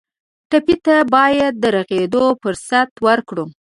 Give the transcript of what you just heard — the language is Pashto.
ټپي ته باید د روغېدو فرصت ورکړو.